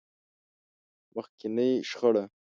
مخکينۍ شخړه.